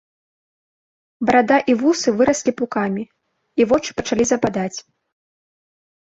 Барада і вусы выраслі пукамі, і вочы пачалі западаць.